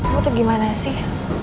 gue tuh gimana sih